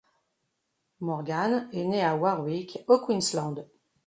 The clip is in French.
Morgan est né à Warwick, au Queensland.